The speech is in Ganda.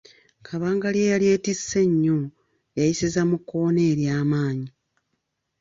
Kabangali eyali etisse ennyo yayisiza mu kkoona ery'amaanyi.